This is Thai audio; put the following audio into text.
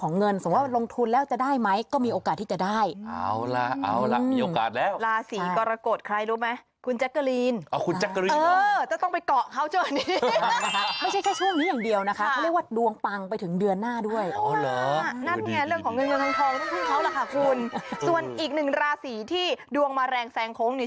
ของเงินเงินทองแล้วคุณส่วนอีกหนึ่งราศรีที่ดวงมาแรงแซงคงใน